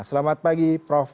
selamat pagi prof